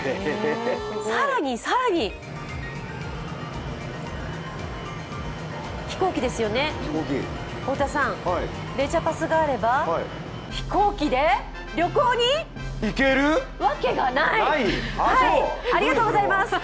更に更に飛行機ですよね、太田さんレジャパスがあれば飛行機で旅行にわけがない、ありがとうございます。